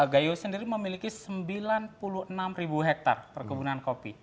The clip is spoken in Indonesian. gayo sendiri memiliki sembilan puluh enam hektar perkebunan kopi